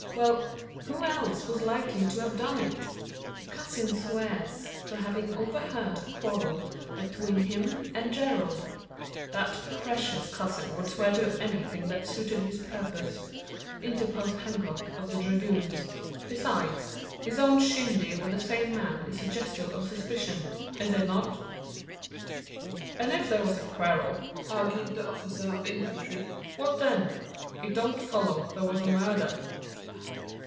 Well; who else was likely to have done it? The cousin swears to having overheard a quarrel between him and Gerald." "That precious cousin would swear to anything that suited his purpose," interposed Hancock, of the Dragoons. "Besides, his own shindy with the same man is suggestive of suspicion is it not?" "And if there was a quarrel," argued the officer of infantry, "what then? It don't follow there was a murder."